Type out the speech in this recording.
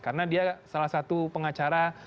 karena dia salah satu pengacara